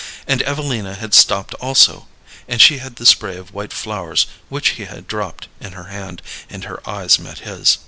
And Evelina had stopped also, and she had the spray of white flowers which he had dropped, in her hand, and her eyes met his.